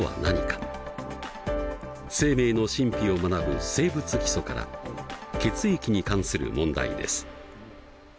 生命の神秘を学ぶ「生物基礎」から血液に関する問題です。